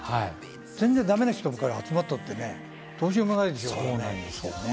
全然だめな人が集まったってね、どうしようもないですからね。